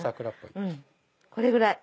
うんこれぐらい。